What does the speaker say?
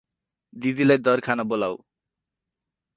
दिदी लाई दर खाना बोलाउ ।